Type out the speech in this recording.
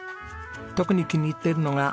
特に気に入っているのが。